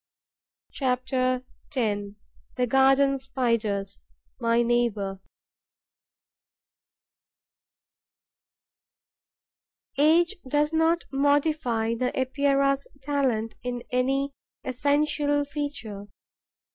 CHAPTER X: THE GARDEN SPIDERS: MY NEIGHBOUR Age does not modify the Epeira's talent in any essential feature.